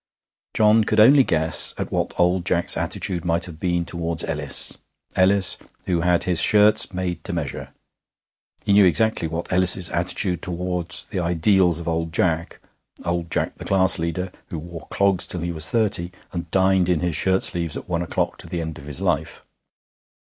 John could only guess at what old Jack's attitude might have been towards Ellis Ellis, who had his shirts made to measure. He knew exactly what was Ellis's attitude towards the ideals of old Jack, old Jack the class leader, who wore clogs till he was thirty, and dined in his shirt sleeves at one o'clock to the end of his life.